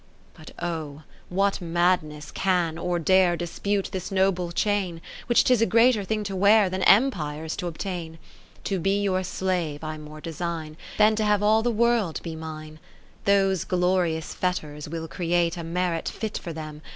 But oh ! what madness can or dare Dispute this noble chain, 20 Which 'tis a greater thing to wear. Than empires to obtain ? To be your slave I more design. Than to have all the World be mine. Those glorious fetters will create A merit fit for them.